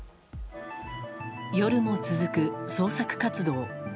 夜も続く捜索活動。